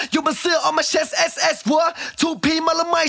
อีก๕ปีเราจะเห็นคุณต้มในรูปแบบไหน